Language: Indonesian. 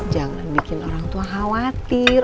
jangan bikin orang tua khawatir